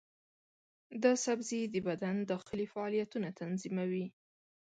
دا سبزی د بدن داخلي فعالیتونه تنظیموي.